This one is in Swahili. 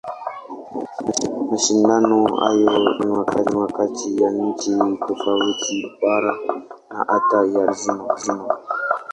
Mashindano hayo hufanywa kati ya nchi tofauti, bara na hata ya dunia nzima.